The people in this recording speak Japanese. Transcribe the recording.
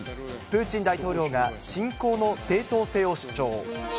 プーチン大統領が侵攻の正当性を主張。